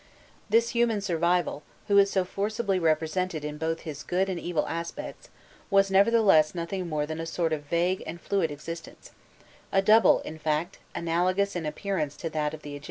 * This human survival, who is so forcibly represented both in his good and evil aspects, was nevertheless nothing more than a sort of vague and fluid existence a double, in fact, analogous in appearance to that of the Egyptians.